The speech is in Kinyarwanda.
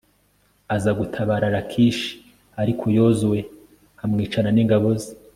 aza gutabara lakishi, ariko yozuwe amwicana n'ingabo ze